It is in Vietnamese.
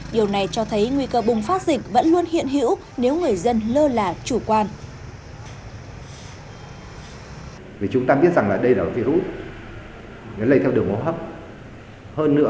điều này cho thấy nguy cơ bùng phát dịch vẫn luôn hiện hữu nếu người dân lơ là chủ quan